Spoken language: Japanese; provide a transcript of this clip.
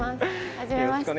はじめまして。